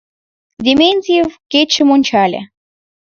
Дементьев кечым ончале.